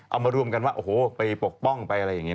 เอามารวมกันว่าโอ้โหไปปกป้องไปอะไรอย่างนี้